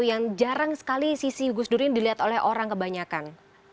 yang jarang sekali sisi gus dur ini dilihat oleh orang kebanyakan